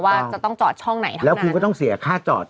ว่าจะต้องจอดช่องไหนทำแล้วคุณก็ต้องเสียค่าจอด